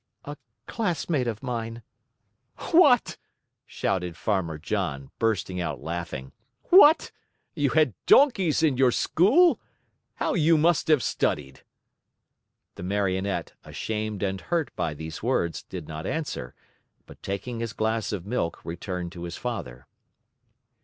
"A classmate of mine." "What," shouted Farmer John, bursting out laughing. "What! You had donkeys in your school? How you must have studied!" The Marionette, ashamed and hurt by those words, did not answer, but taking his glass of milk returned to his father.